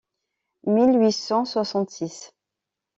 mille huit cent soixante-six.